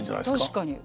確かに。